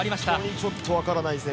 ちょっとわからないですね